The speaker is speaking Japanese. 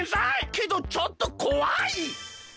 けどちょっとこわい！